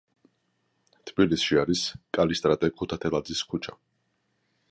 თბილისში არის კალისტრატე ქუთათელაძის ქუჩა.